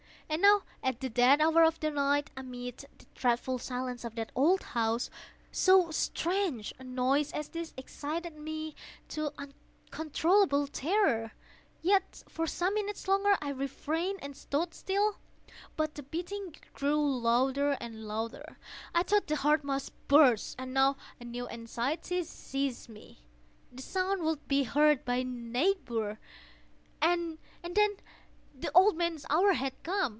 And now at the dead hour of the night, amid the dreadful silence of that old house, so strange a noise as this excited me to uncontrollable terror. Yet, for some minutes longer I refrained and stood still. But the beating grew louder, louder! I thought the heart must burst. And now a new anxiety seized me—the sound would be heard by a neighbour! The old man's hour had come!